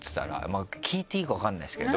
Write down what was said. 聞いていいか分からないですけど。